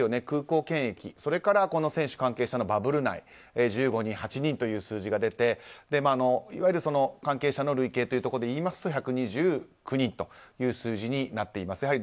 空港検疫そして選手関係者のバブル内１５人、８人という数字が出ていわゆる関係者の累計というところで言いますと１２９人という数字になっています。